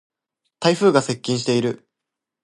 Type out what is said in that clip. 台風が接近している。